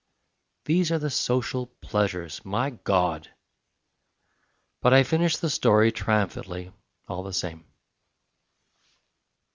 These are the social pleasures, my God! But I finish the story triumphantly all the same.